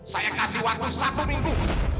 saya kasih waktu satu minggu